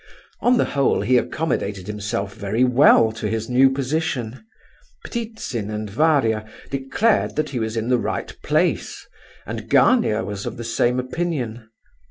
On the whole, he accommodated himself very well to his new position. Ptitsin and Varia declared that he was in the right place, and Gania was of the same opinion.